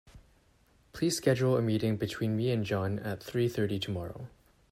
Please schedule a meeting between me and John at three thirty tomorrow.